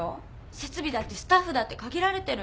設備だってスタッフだって限られてる。